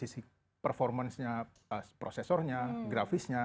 sisi performance nya prosesornya grafisnya